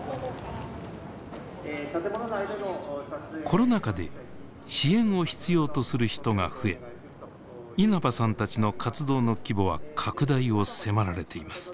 コロナ禍で支援を必要とする人が増え稲葉さんたちの活動の規模は拡大を迫られています。